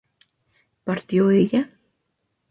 ¿partió ella?